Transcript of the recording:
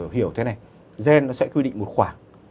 hiểu thế này gen nó sẽ quy định một khoản